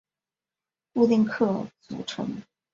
固定客组成。